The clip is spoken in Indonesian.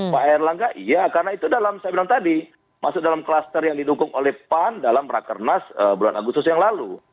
pak erlangga iya karena itu dalam saya bilang tadi masuk dalam kluster yang didukung oleh pan dalam rakernas bulan agustus yang lalu